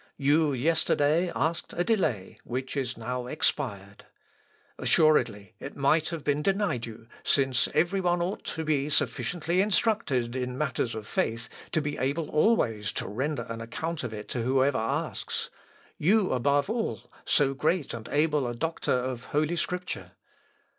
you yesterday asked a delay, which is now expired. Assuredly it might have been denied you, since every one ought to be sufficiently instructed in matters of faith to be able always to render an account of it to whosoever asks, you above all, so great and able a doctor of Holy Scripture....